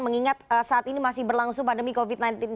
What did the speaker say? mengingat saat ini masih berlangsung pandemi covid sembilan belas